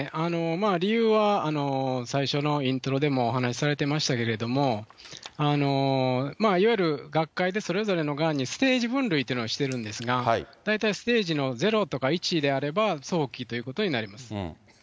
理由は最初のイントロでもお話しされてましたけれども、いわゆる学会でそれぞれのがんにステージ分類というのをしているんですが、大体ステージの０とか１であれば、早期ということになります。